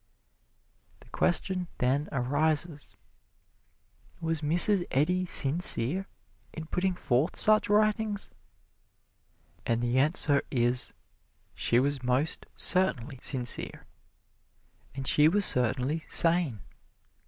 The question then arises, "Was Mrs. Eddy sincere in putting forth such writings?" And the answer is, she was most certainly sincere, and she was certainly sane.